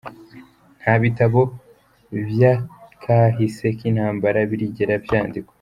Nta bitabo vy'akahise k'intambara birigera vyandikwa.